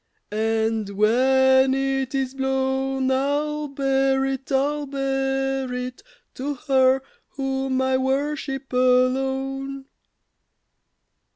And when it is blown, I'll bear it, I'll bear it To her whom I worship alone.